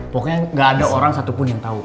pokoknya gak ada orang satupun yang tau